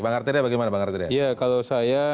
bang artirnya bagaimana ya kalau saya